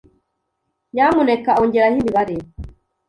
Nyamuneka ongeraho imibare.